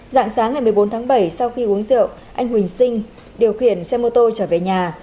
dạng sáng ngày một mươi bốn tháng bảy sau khi uống rượu anh huỳnh sinh điều khiển xe mô tô trở về nhà